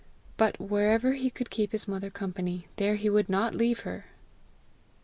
But wherever he could keep his mother company, there he would not leave her!